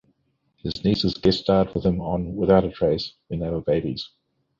His nieces guest starred with him on 'Without a Trace' when they were babies.